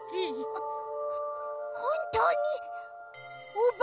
あほんとうにおばけが！？